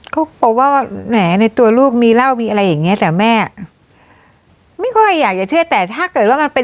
เขาโปรวจว่าแหมในตัวลูกมีเหล้ามีอะไรอย่างนี้